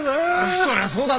そりゃそうだろ。